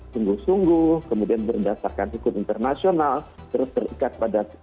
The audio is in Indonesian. sungguh sungguh kemudian berdasarkan hukum internasional terus terikat pada